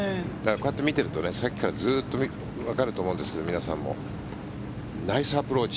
こうやって見ているとさっきからずっと皆さんもわかると思うんですがナイスアプローチ